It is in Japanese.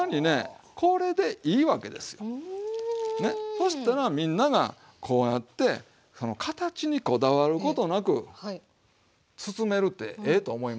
そしたらみんながこうやって形にこだわることなく包めるってええと思いません？